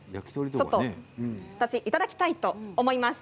ちょっと私いただきたいと思います。